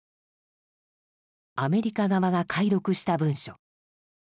アメリカ側が解読した文書。